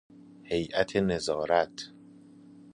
هیئت نظارت